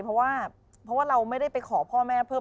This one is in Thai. เพราะว่าเราไม่ไปขอพ่อแม่เพิ่ม